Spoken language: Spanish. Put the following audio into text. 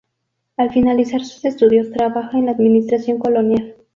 Al finalizar sus estudios trabaja en la administración colonial.